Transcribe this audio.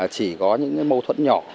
chỉ có những mâu thuẫn nhỏ